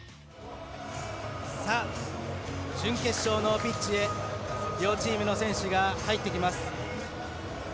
準決勝のピッチへ両チームの選手が入ってきます。